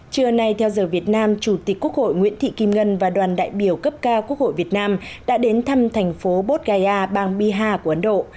trưa nay theo giờ việt nam chủ tịch quốc hội nguyễn thị kim ngân và đoàn đại biểu cấp cao quốc hội việt nam đã đến thăm thành phố botgaya bang biha của ấn độ